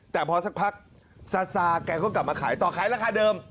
แต่พอสักพักซาซาแกก็กลับมาขายต่อขายราคาเดิม